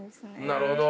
なるほど。